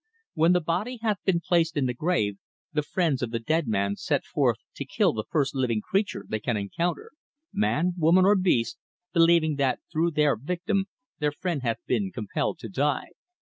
When the body hath been placed in the grave, the friends of the dead man set forth to kill the first living creature they can encounter, man, woman or beast, believing that through their victim their friend hath been compelled to die.